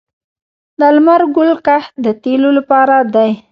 د لمر ګل کښت د تیلو لپاره دی